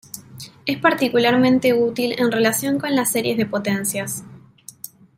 Es particularmente útil en relación con las series de potencias.